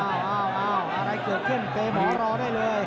อ้าวอะไรเกิดขึ้นเปย์หมอรอได้เลย